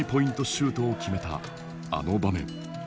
シュートを決めたあの場面。